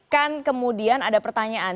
kan kemudian ada pertanyaan